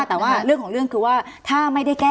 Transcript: แต่ว่าเรื่องของเรื่องคือว่า